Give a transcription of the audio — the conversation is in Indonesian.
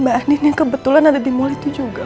mbak akhnif yang kebetulan ada di mall itu juga